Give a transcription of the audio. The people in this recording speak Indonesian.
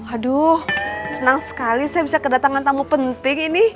aduh senang sekali saya bisa kedatangan tamu penting ini